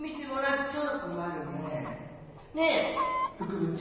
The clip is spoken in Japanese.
ねえ副部長。